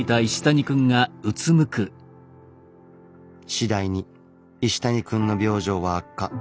次第に石谷くんの病状は悪化。